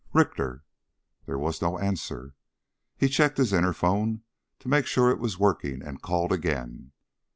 "Richter?" There was no answer. He checked his interphone to make sure it was working and called again.